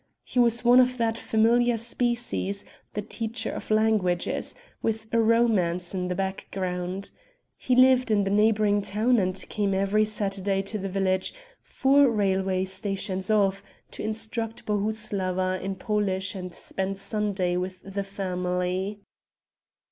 He was one of that familiar species, the teacher of languages with a romance in the background; he lived in the neighouring town and came every Saturday to the village, four railway stations off, to instruct Bohuslawa in Polish and spend Sunday with the family.